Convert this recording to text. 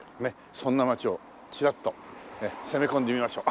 そんな街をチラッと攻め込んでみましょう。